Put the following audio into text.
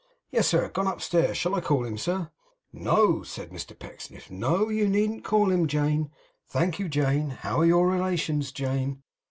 'Yes sir. Gone upstairs. Shall I call him, sir?' 'No,' said Mr Pecksniff, 'no. You needn't call him, Jane. Thank you, Jane. How are your relations, Jane?